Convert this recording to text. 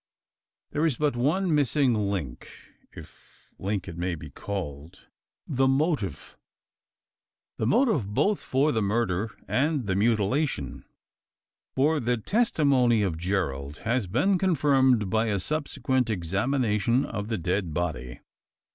There is but one missing link if link it may be called the motive. The motive both for the murder and the mutilation: for the testimony of Gerald has been confirmed by a subsequent examination of the dead body.